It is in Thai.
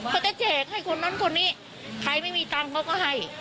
จะแจกให้คนนั้นคนนี้ใครไม่มีตังค์เขาก็ให้